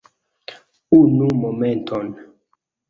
Unu momenton.